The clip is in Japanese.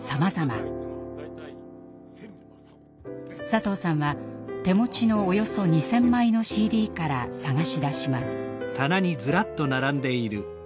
佐藤さんは手持ちのおよそ２，０００枚のＣＤから探し出します。